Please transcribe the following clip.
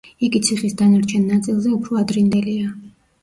იგი ციხის დანარჩენ ნაწილზე უფრო ადრინდელია.